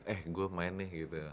eh gue main nih gitu